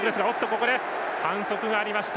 ここで反則がありました。